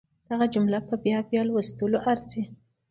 دغه جمله په بيا بيا لوستلو ارزي.